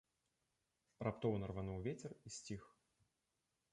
Раптоўна рвануў вецер і сціх.